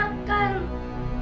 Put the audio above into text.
aku juga gak bisa makan